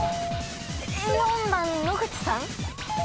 ４番野口さん？